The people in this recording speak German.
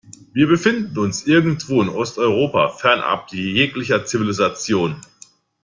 Wir befinden uns irgendwo in Osteuropa, fernab jeglicher Zivilisation.